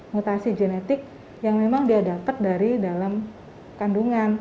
mutasi genetik yang memang dia dapat dari dalam kandungan